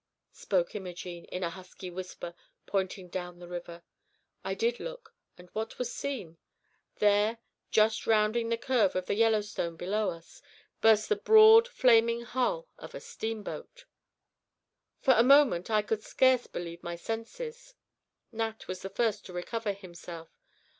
spoke Imogene, in a husky whisper, pointing down the river. I did look and what was seen? There, just rounding the curve of the Yellowstone below us, burst the broad flaming hull of a steamboat. For a moment I could scarce believe my senses. Nat was the first to recover himself.